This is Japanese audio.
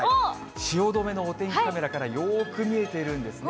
汐留のお天気カメラからよく見えているんですね。